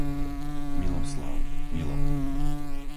Miloslav, Milo